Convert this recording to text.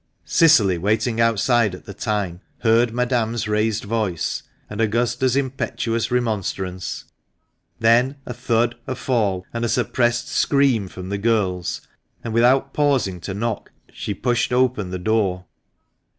Cicily, waiting outside at the time, heard Madame's raised voice and Augusta's impetuous remonstrance; then a thud, a fall, and a suppressed scream from the girls ; and without pausing to knock, she pushed open the door.